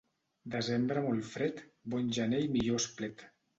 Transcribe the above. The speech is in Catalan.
Desembre molt fred, bon gener i millor esplet.